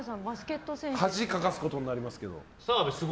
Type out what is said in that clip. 恥をかかせることになりますけど。